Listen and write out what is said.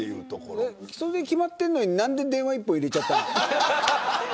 それが決まっているのに何で電話一本入れちゃったの。